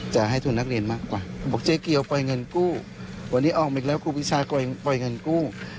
จะให้ทุนนักเรียนมากกว่าบอกเจ๊เกียวปล่อยเงินกู้วันนี้ออกมาอีกแล้วครูปีชาก็ยังปล่อยเงินกู้